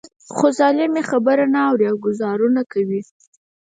خو ظالم يې خبره نه اوري او ګوزارونه کوي.